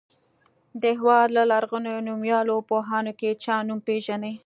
د هېواد له لرغونو نومیالیو پوهانو کې چا نوم پیژنئ.